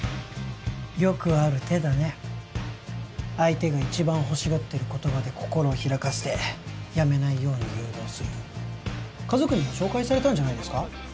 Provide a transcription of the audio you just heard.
よくある手だね相手が一番欲しがってる言葉で心を開かせてやめないように誘導する家族にも紹介されたんじゃないですか？